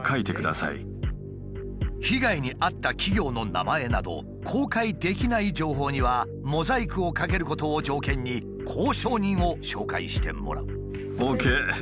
被害に遭った企業の名前など公開できない情報にはモザイクをかけることを条件に交渉人を紹介してもらう。